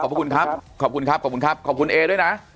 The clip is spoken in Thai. ขอบคุณครับขอบคุณครับขอบคุณครับขอบคุณเอด้วยนะ